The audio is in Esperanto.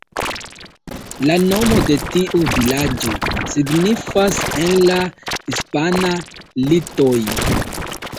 La nomo de tiu vilaĝo signifas en la hispana "Litoj".